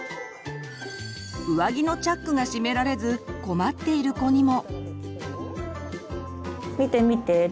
上着のチャックが閉められず困っている子にも。